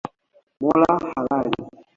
Mola halali